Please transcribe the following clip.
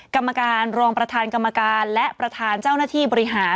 กรรมการรองประธานกรรมการและประธานเจ้าหน้าที่บริหาร